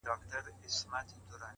پوهه د وېرې تیاره کموي؛